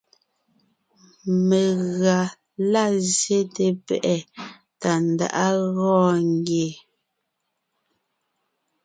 Megʉa la zsyete pɛ́ʼɛ Tàndáʼa gɔɔn ngie.